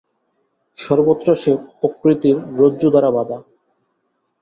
সর্বত্র সে প্রকৃতির রজ্জু দ্বারা বাঁধা।